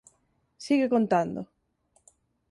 Sigue contando…